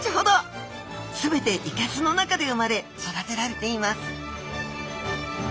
全ていけすの中で生まれ育てられています